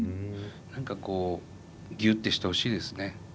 何かこうギュッてしてほしいですね。